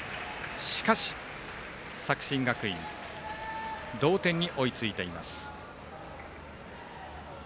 しかし、作新学院同点に追いついています。